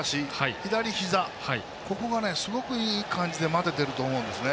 左ひざ、ここがすごくいい感じで待ててると思うんですね。